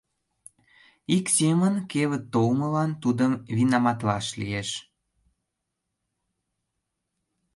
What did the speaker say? Ик семын, кевыт толымылан тудым винаматлаш лиеш!